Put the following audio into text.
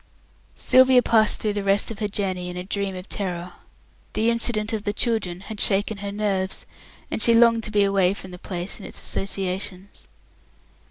Sylvia passed through the rest of her journey in a dream of terror. The incident of the children had shaken her nerves, and she longed to be away from the place and its associations.